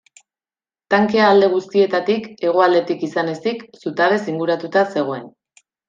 Tankea alde guztietatik, hegoaldetik izan ezik, zutabez inguratuta zegoen.